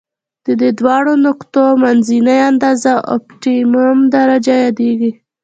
د دې دواړو نقطو منځنۍ اندازه اؤپټیمم درجه یادیږي.